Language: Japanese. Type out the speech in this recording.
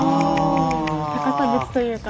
高さ別というか。